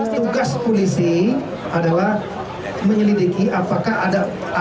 tugas polisi adalah menyelidiki apakah ada